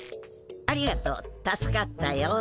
ありがとう助かったよ。